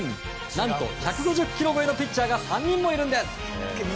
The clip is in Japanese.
何と１５０キロ超えのピッチャーが３人もいるんです。